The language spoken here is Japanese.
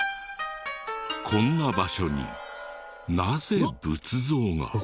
こんな場所になぜ仏像が？